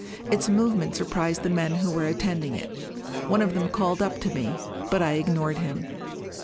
Its movement surprised the men who were attending it. One of them called up to me, but I ignored him.